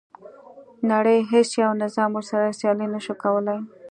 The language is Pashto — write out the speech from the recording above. نړۍ هیڅ یو نظام ورسره سیالي نه شوه کولای.